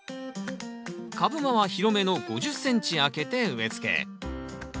株間は広めの５０ｃｍ空けて植えつけ。